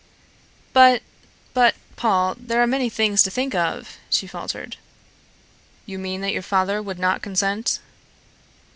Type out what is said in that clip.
"But but, Paul, there are many things to think of," she faltered. "You mean that your father would not consent?"